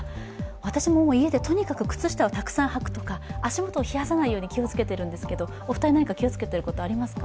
私も家でとにかく靴下をたくさんはくとか足元を冷やさないように気をつけているんですけど、お二人、何か気をつけてることありますか？